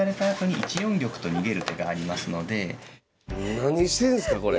何してんすかこれは！